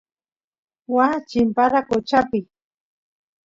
waa chimpara qochapi